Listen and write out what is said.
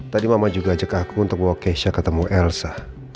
tadi mama juga ajak aku untuk bawa keisha ketemu elsa